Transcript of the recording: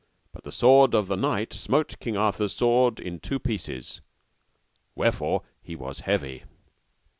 But the sword of the knight smote King Arthur's sword in two pieces, wherefore he was heavy.